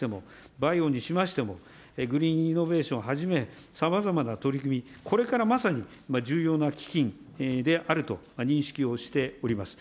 半導体にしましても、リスキリングにしましても、バイオにしましても、グリーンイノベーションはじめ、さまざまな取り組み、これからまさに、重要な基金であると認識をしております。